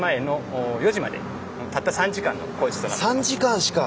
３時間しか？